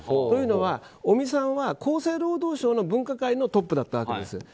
というのは尾身さんは厚生労働省の分科会のトップだったわけです。